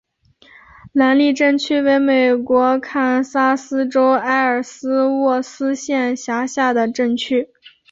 兰利镇区为美国堪萨斯州埃尔斯沃思县辖下的镇区。